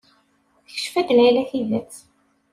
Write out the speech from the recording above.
Tekcef-d Layla tidet.